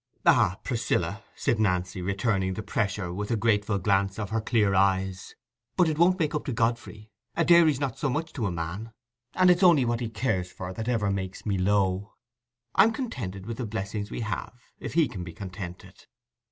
"Ah, Priscilla," said Nancy, returning the pressure with a grateful glance of her clear eyes, "but it won't make up to Godfrey: a dairy's not so much to a man. And it's only what he cares for that ever makes me low. I'm contented with the blessings we have, if he could be contented."